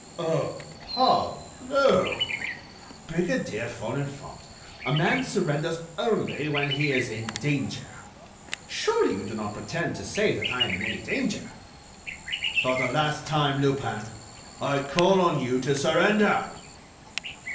"Oh! parbleu! Brigadier Folenfant, a man surrenders only when he is in danger. Surely, you do not pretend to say that I am in any danger." "For the last time, Lupin, I call on you to surrender."